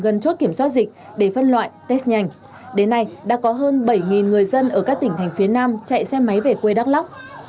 dịch để phân loại test nhanh đến nay đã có hơn bảy người dân ở các tỉnh thành phía nam chạy xe máy về quê đắk lắc